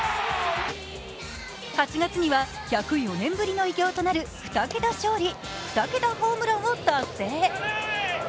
８月には１０４年ぶりの偉業となる２桁勝利・２桁ホームランを達成。